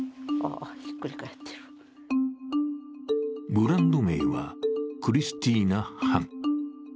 ブランド名はクリスティーナハン。